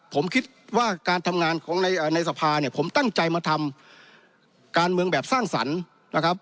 ผมคิดว่าการทำงานของในสภาเนี่ยผมตั้งใจมาทำการเมืองแบบสร้างสรรค์นะครับ